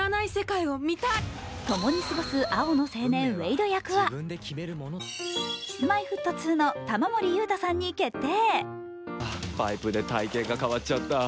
ともに過ごす青の青年ウェイド役はＫｉｓ−Ｍｙ−Ｆｔ２の玉森裕太さんに決定。